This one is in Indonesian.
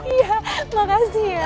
iya makasih ya